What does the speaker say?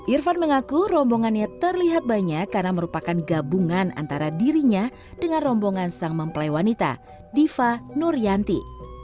irfan mengaku rombongannya terlihat banyak karena merupakan gabungan antara dirinya dengan rombongan sang mempelai wanita diva nurianti